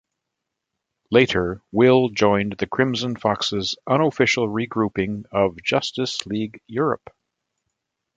Later, Will joined the Crimson Fox's unofficial re-grouping of Justice League Europe.